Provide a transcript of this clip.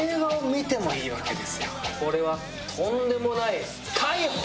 これはとんでもない。